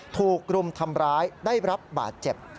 ถูกรุมทำร้ายได้รับบาดเจ็บ